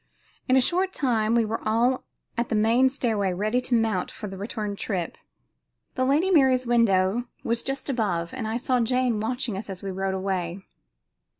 In a short time we were all at the main stairway ready to mount for the return trip. The Lady Mary's window was just above, and I saw Jane watching us as we rode away.